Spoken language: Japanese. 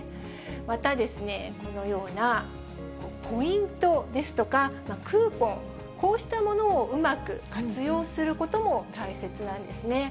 またですね、このようなポイントですとか、クーポン、こうしたものをうまく活用することも大切なんですね。